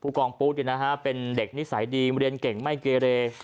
กองปู๊ดเป็นเด็กนิสัยดีเรียนเก่งไม่เกเร